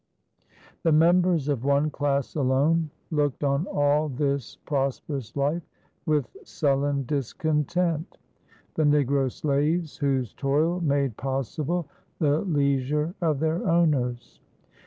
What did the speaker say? The members of one class alone looked on all this prosperous life with sullen discontent the negro slaves whose toil made possible the leisure of their owners.